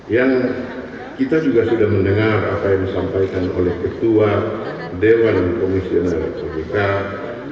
yang kita juga sudah mendengar apa yang disampaikan oleh ketua dewan komisioner